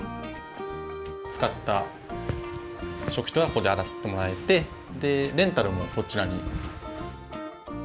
使った食器はここで洗ってもらえてレンタルもこちらに。